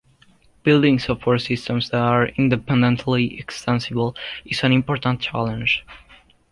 Building software systems that are "independently extensible" is an important challenge.